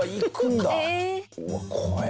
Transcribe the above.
うわっ怖え。